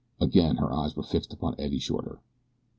Again her eyes were fixed upon Eddie Shorter.